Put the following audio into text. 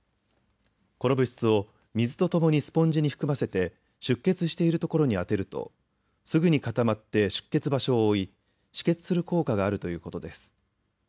この物質を水とともにスポンジに含ませて出血しているところに当てるとすぐに固まって出血場所を覆い、止血する効果があるということです。